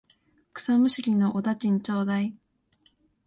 草むしりのお駄賃ちょうだい。